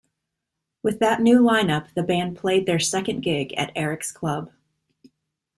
With that new line-up, the band played their second gig at Eric's Club.